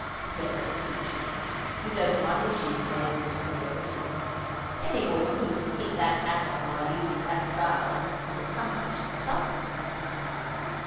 Clever creature; you don't wonder she is labelled a celebrity; any woman who can keep that hat on while using that trowel, has accomplished something!